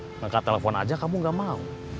mereka telepon aja kamu gak mau